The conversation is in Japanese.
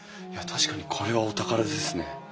いや確かにこれはお宝ですね。